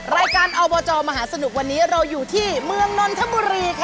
รายการอบจมหาสนุกวันนี้เราอยู่ที่เมืองนนทบุรีค่ะ